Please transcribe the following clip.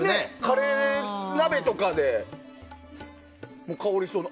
カレー鍋とかでこの香りしそうな。